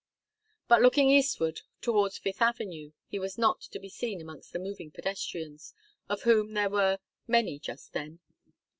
But looking eastward, towards Fifth Avenue, he was not to be seen amongst the moving pedestrians, of whom there were many just then.